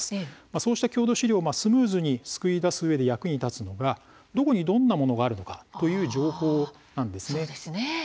そうした郷土資料をスムーズに救い出すうえで役に立つのが「どこにどんなものがあるのか」という情報です。